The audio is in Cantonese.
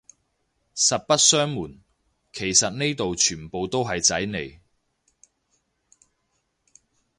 實不相暪，其實呢度全部都係仔嚟